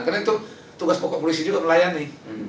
karena itu tugas polisi juga melayani